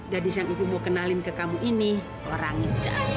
gadis yang ibu mau kenalin ke kamu ini orang hijau